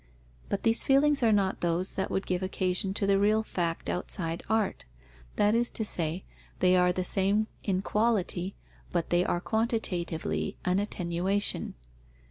But these feelings are not those that would give occasion to the real fact outside art; that is to say, they are the same in quality, but they are quantitively an attenuation.